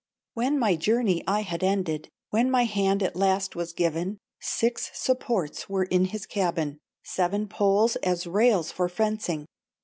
When my journey I had ended, When my hand at last was given, Six supports were in his cabin, Seven poles as rails for fencing.